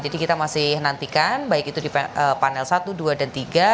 jadi kita masih nantikan baik itu di panel satu dua dan tiga